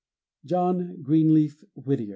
JOHN GREENLEAF WHITTIER.